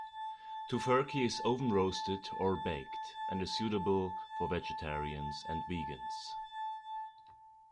Tofurkey is oven-roasted or baked and is suitable for vegetarians and vegans.